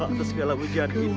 atas segala hujan ini ya allah